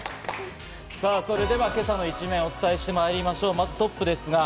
それでは今朝の一面をお伝えしてまいりましょう。